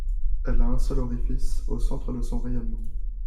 Elle a un seul orifice, au centre de son rayonnement.